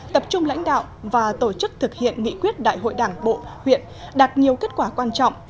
tập trung lãnh đạo và tổ chức thực hiện nghị quyết đại hội đảng bộ huyện đạt nhiều kết quả quan trọng